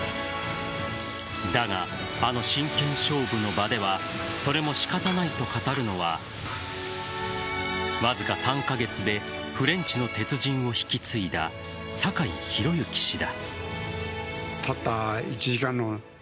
だが、あの真剣勝負の場ではそれも仕方ないと語るのはわずか３カ月でフレンチの鉄人を引き継いだ坂井宏行氏だ。